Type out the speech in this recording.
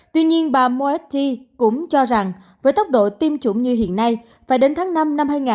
tuy nhiên bà mouetti cũng cho rằng với tốc độ tiêm chủng như hiện nay phải đến tháng năm năm hai nghìn hai mươi